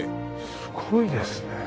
すごいですね。